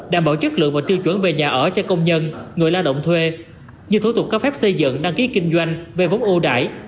đảm bảo chất lượng và tiêu chuẩn về nhà ở cho công nhân người lao động thuê như thủ tục cấp phép xây dựng đăng ký kinh doanh về vốn ưu đại